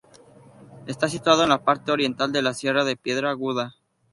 Está situado en la parte oriental de la Sierra de Piedra Aguda.